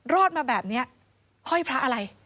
รอดมาแบบนี้ห้อยพระอะไร